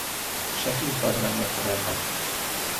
Sheffield war dreimal verheiratet.